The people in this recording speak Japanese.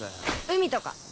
海とか。